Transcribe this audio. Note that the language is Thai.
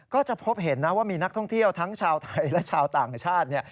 ก็จะพบเห็นนะว่ามีนักท่องเที่ยวทั้งชาวไทยและชาวต่างชาติ